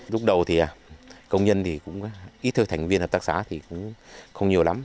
lúc đầu thì công nhân thì cũng ít hơn thành viên hợp tác xã thì cũng không nhiều lắm